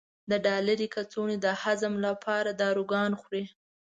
د ډالري کڅوړو د هضم لپاره داروګان خوري.